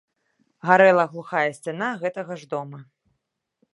Гарэла глухая сцяна гэтага ж дома.